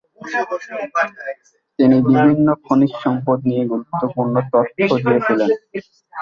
তিনি বিভিন্ন খনিজ সম্পদ নিয়ে গুরুত্বপূর্ণ তথ্য দিয়েছিলেন।